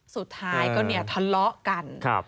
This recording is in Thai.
สุดท้ายก็เนี่ยทะเลาะกัน